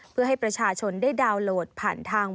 เพื่อให้ประชาชนได้ดาวน์โหลดผ่านทาง